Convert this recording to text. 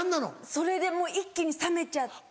それでもう一気に冷めちゃった。